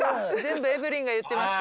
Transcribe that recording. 全部エブリンが言ってました。